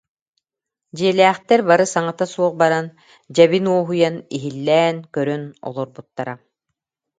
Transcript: Дьиэлээхтэр бары саҥата суох баран, дьэбин уоһуйан, иһллээн, көрөн олорбуттара